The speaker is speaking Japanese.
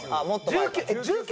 １９。